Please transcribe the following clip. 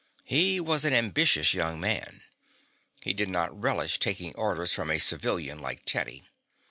He was an ambitious young man. He did not relish taking orders from a civilian like Teddy.